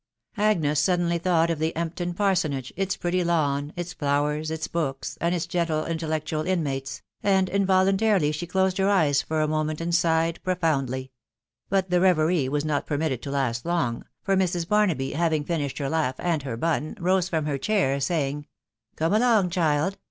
Agnes suddenly thought of Empton parsonage, its pretty lawn, its flowers its books, and its gentle intellectual inmates, and involuntarily 6he closed her eyes for a moment and sighed profoundly ; but the reverie was not permitted to last long, for Mrs. Barnaby, having finished her laugh and her bun, rose from her chair, saying, —" Come along, child